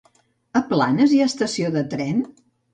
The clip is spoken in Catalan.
A Planes hi ha estació de tren?